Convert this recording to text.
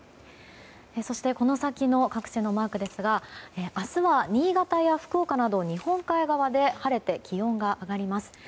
この先の各地のマークですが明日は新潟や福岡など日本海側で晴れて気温が上がります。